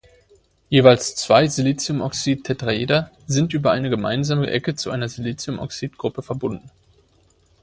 Jeweils zwei SiO-Tetraeder sind über eine gemeinsame Ecke zu einer SiO-Gruppe verbunden.